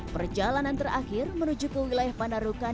perjalanan terakhir menuju ke wilayah panarukan